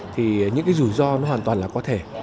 thì những cái rủi ro nó hoàn toàn là có thể